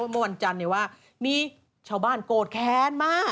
เมื่อวันจันทร์ว่ามีชาวบ้านโกรธแค้นมาก